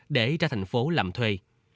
để ra thành phố làm thuê